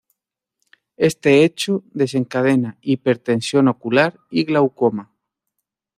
Este hecho desencadena hipertensión ocular y glaucoma.